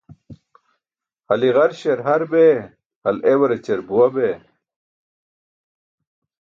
Hal i̇garśar har bee, hal ewarćar buwa bee.